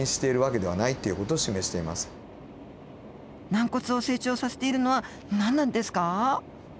軟骨を成長させているのは何なんですか？